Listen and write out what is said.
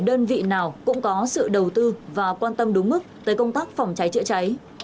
đơn vị nào cũng có sự đầu tư và quan tâm đúng mức tới công tác phòng trái trịa trái